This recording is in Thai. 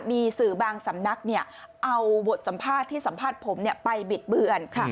มีสื่อบางสำนักเนี่ยเอาบทสัมภาษณ์ที่สัมภาษณ์ผมเนี่ยไปบิดเบื่อนค่ะ